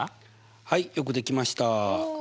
はいよくできました。